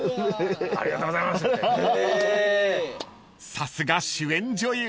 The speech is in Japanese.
［さすが主演女優